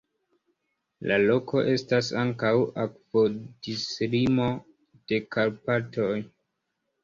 La loko estas ankaŭ akvodislimo de Karpatoj.